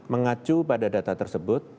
mengacu pada data tersebut